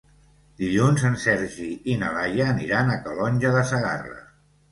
Dilluns en Sergi i na Laia aniran a Calonge de Segarra.